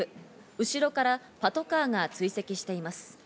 後ろからパトカーが追跡しています。